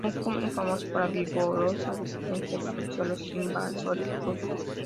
Kuchum es famoso por la vigorosa resistencia que ofreció a los invasores rusos.